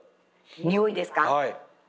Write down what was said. においですかはい。